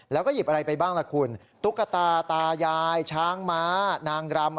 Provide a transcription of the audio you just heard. แล้วก็หยิบอะไรไปบ้างล่ะคุณตุ๊กตาตายายช้างม้านางรำ